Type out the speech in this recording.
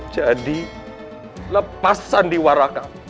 jadi lepasan di warah kamu